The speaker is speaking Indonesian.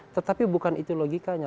tetapi bukan itu logikanya